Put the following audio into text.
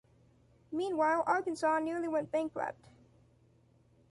Meanwhile, Arkansas nearly went bankrupt.